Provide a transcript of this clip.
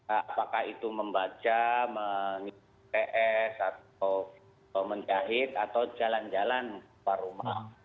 apakah itu membaca mengisi ps atau menjahit atau jalan jalan keluar rumah